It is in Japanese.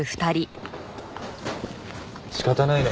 仕方ないね。